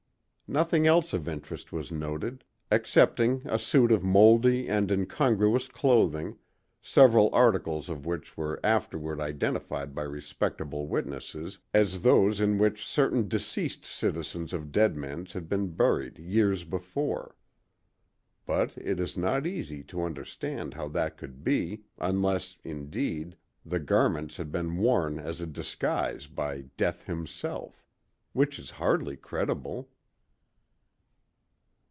Nothing else of interest was noted, excepting a suit of moldy and incongruous clothing, several articles of which were afterward identified by respectable witnesses as those in which certain deceased citizens of Deadman's had been buried years before. But it is not easy to understand how that could be, unless, indeed, the garments had been worn as a disguise by Death himself—which is hardly credible.